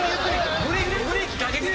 ブレーキかけ過ぎ。